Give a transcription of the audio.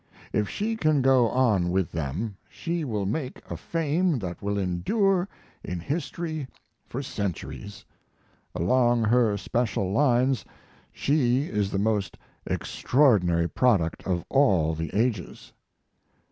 If she can go on with them she will make a fame that will endure in history for centuries. Along her special lines she is the most extraordinary product of all the ages.